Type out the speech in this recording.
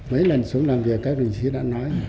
mấy lần xuống làm việc các đồng chí đã nói